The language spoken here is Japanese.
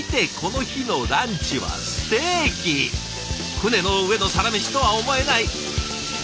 船の上のサラメシとは思えない。